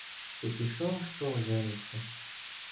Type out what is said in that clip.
Потішав, що ожениться.